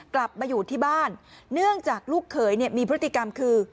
กลับมาอยู่ที่บ้านเนื่องจากลูกเขยเนี่ยมีพฤติกรรมคือ